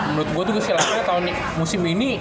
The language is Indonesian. menurut gue tuh si laka tahun musim ini